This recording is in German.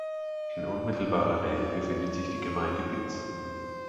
In unmittelbarer Nähe befindet sich die Gemeinde Bitz.